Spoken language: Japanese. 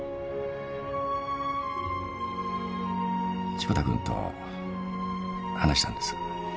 志子田君と話したんです。